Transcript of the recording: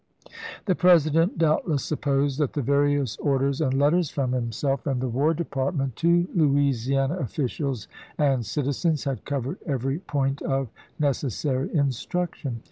The President doubtless supposed that the various orders and letters from himself and the LOUISIANA FEEE 427 War Department to Louisiana officials and citizens ch. xvii. had covered every point of necessary instruction.